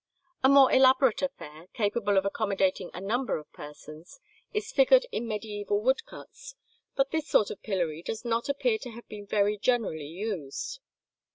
A more elaborate affair, capable of accommodating a number of persons, is figured in mediæval woodcuts, but this sort of pillory does not appear to have been very generally used.